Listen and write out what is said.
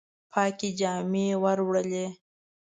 پاکي جامي وروړلي